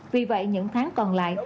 vì vậy những tháng còn lại